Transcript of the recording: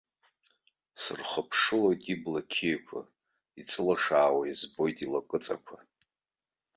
Сырхыԥшылоит ибла қьиақәа, иҵылашаауа избоит илакыҵақәа.